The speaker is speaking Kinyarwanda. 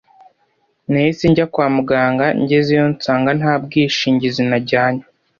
Nahise njya kwamugaga ngezeyo nsaga nta bwishingizi najyanye